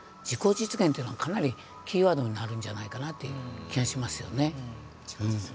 自己実現というのはかなりキーワードになるんじゃないかなという気がしますよね。